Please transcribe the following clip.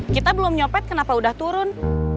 kita belum nyopet kenapa udah turun